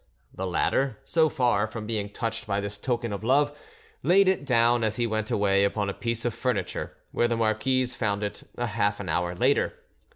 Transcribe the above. The latter, so far from being touched by this token of love, laid it down, as he went away, upon a piece of furniture, where the marquise found it half an hour later.